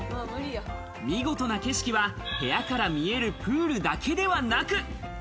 見事な景色は部屋から見えるプールだけでなく。